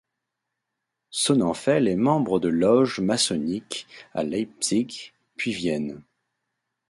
Sonnenfels est membre de loges maçonniques à Leipzig puis Vienne.